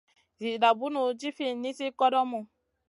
Zida bunu djivia nizi kodomu.